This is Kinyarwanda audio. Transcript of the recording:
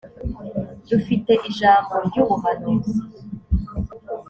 dufite ijambo ry’ubuhanuzi